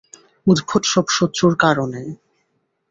উদ্ভট সব শত্রুর কারণে!